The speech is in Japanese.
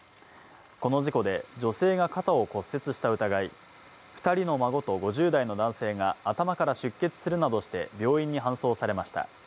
この事故で女性が肩を骨折した疑い、２人の孫と５０代の男性が頭から出血するなどして、病院に搬送されました。